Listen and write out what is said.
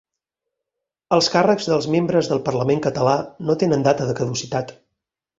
Els càrrecs dels membres del Parlament català no tenen data de caducitat